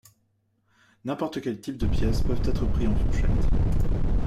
N'importe quels types de pièce peuvent être pris en fourchette.